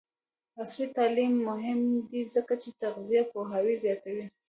عصري تعلیم مهم دی ځکه چې د تغذیه پوهاوی زیاتوي.